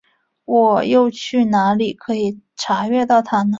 我又去哪里可以查阅到它呢？